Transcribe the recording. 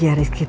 kalau aja rizky